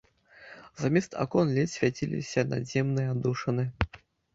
Замест акон ледзь свяціліся надземныя аддушыны.